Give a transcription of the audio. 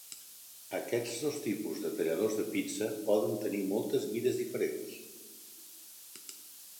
Aquests dos tipus de talladors de pizza poden tenir moltes mides diferents.